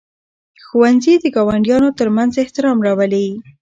ښوونځي د ګاونډیانو ترمنځ احترام راولي.